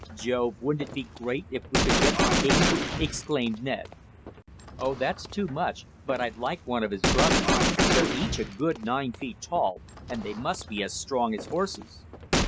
"Jove! Wouldn't it be great if you could get the king!" exclaimed Ned. "Oh, that's too much, but I'd like one of his brothers. They're each a good nine feet tall, and they must be as strong as horses."